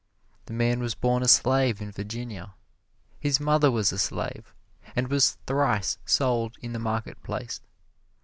The man was born a slave in Virginia. His mother was a slave, and was thrice sold in the market place.